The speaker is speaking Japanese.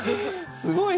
すごい！